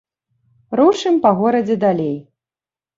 Рушым па горадзе далей.